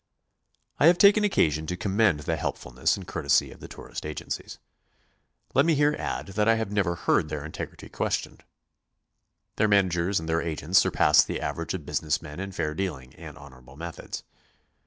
I have taken occasion to commend the helpfulness and courtesy of the tourist agencies. Let me here add that I have never heard their integrity questioned. Their man agers and their agents surpass the average of business men in fair dealing and honorable methods.